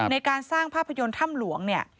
ในการสร้างภาพยนตร์ถ้ำหลวงเนี่ย